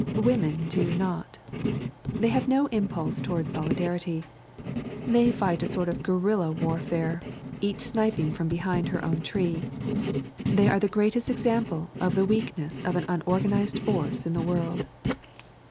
Women do not. They have no impulse toward solidarity. They fight a sort of guerilla warfare, each sniping from behind her own tree. They are the greatest example of the weakness of unorganized force in the world.